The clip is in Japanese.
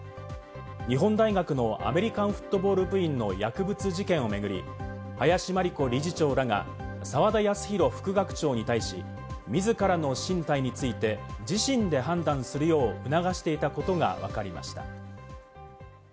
日本大学のアメリカンフットボール部員の薬物事件を巡り、林真理子理事長らが澤田康広副学長に対し、自らの進退について、自身で判断するよう促していたことがわかりました。